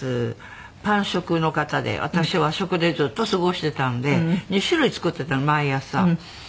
パン食の方で私は和食でずっと過ごしていたんで２種類作っていたの毎朝。